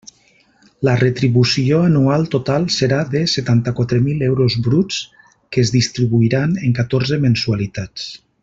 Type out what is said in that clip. La retribució anual total serà de setanta-quatre mil euros bruts que es distribuiran en catorze mensualitats.